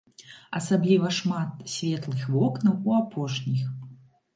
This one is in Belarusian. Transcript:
Асабліва шмат светлых вокнаў у апошніх.